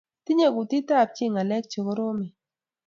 Tinyei kutitab chii ngalek chegoromen